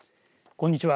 こんにちは。